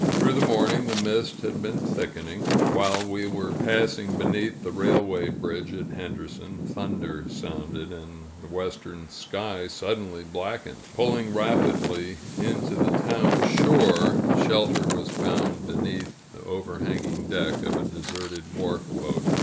Through the morning, the mist had been thickening. While we were passing beneath the railway bridge at Henderson, thunder sounded, and the western sky suddenly blackened. Pulling rapidly in to the town shore, shelter was found beneath the overhanging deck of a deserted wharf boat.